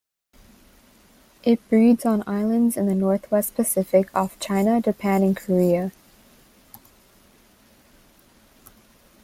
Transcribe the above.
It breeds on islands in the northwest Pacific off China, Japan and Korea.